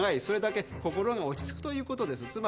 「それだけ心が落ち着くということです」